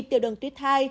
tiểu đường tuyết thai